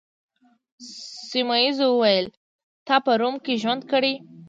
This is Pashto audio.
سیمونز وویل: تا په روم کي ژوند کړی؟